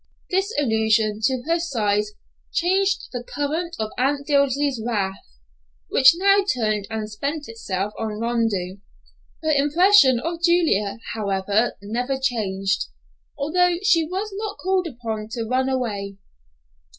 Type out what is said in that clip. This allusion to her size changed the current of Aunt Dilsey's wrath, which now turned and spent itself on Rondeau. Her impression of Julia, however, never changed, although she was not called upon to run away.